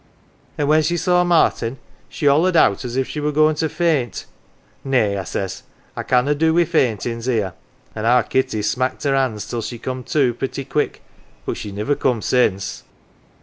And when she saw Martin, she hollered out as she were goin' to faint. ' Nay, 1 I says, ' I canna do wi' faintin's here !' An' our Kitty smacked her 'ands till she come to pretty quick. But she niver come since."